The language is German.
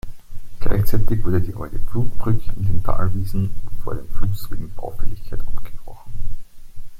Gleichzeitig wurde die alte Flutbrücke in den Talwiesen vor dem Fluss wegen Baufälligkeit abgebrochen.